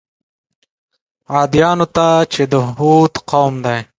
عادیانو ته چې د هود قوم دی.